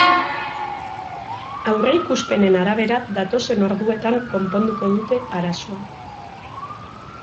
Aurreikuspenen arabera, datozen orduetan konponduko dute arazoa.